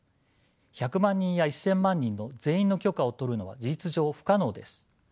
１００万人や１，０００万人の全員の許可を取るのは事実上不可能です。